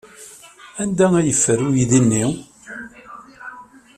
Anda ay yeffer uydi-nni.